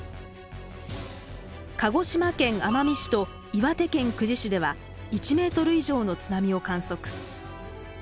鹿児島県奄美市と岩手県久慈市では１ｍ以上の津波を観測。